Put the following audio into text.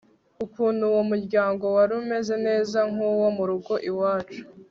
ukuntu uwo muryango warumeze neza nkuwo murugo iwacu